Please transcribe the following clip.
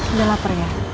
udah lapar ya